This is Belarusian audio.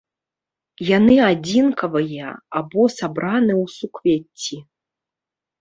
Яны адзінкавыя або сабраны ў суквецці.